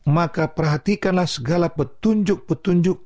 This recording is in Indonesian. maka perhatikanlah segala petunjuk petunjuk